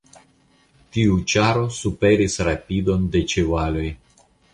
Tiu ĉaro superis rapidon de ĉevaloj.